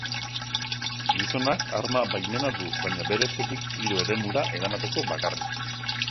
Gizonak arma-baimena du, baina bere etxetik tiro-eremura eramateko bakarrik.